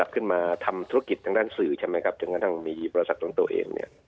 ลัดขึ้นมาทำธุรกิจทางด้านสื่อถึงกระทั่งมีหน่วงบริษัทตัวเอง